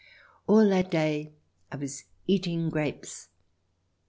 ... All that day I was eating grapes.